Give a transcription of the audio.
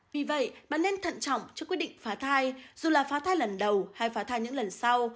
vì vậy bạn nên thận trọng cho quyết định phá thai dù là phá thai lần đầu hay phá thai những lần sau